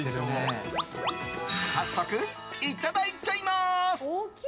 早速、いただいちゃいます。